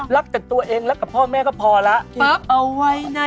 รักแต่ตัวเองรักกับพ่อแม่ก็พอแล้ว